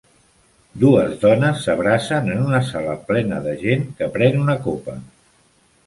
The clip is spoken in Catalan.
Dos dones s'abracen en una sala plena de gent que pren una copa.